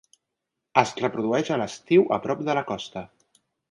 Es reprodueix a l'estiu a prop de la costa.